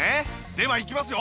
ではいきますよ！